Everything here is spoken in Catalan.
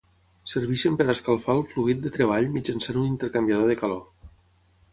Serveixen per escalfar al fluid de treball mitjançant un intercanviador de calor.